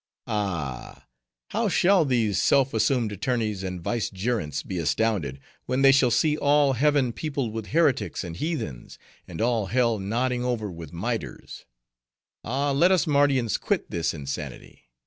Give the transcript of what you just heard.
Ah! how shall these self assumed attorneys and vicegerents be astounded, when they shall see all heaven peopled with heretics and heathens, and all hell nodding over with miters! Ah! let us Mardians quit this insanity.